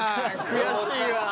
悔しいわ。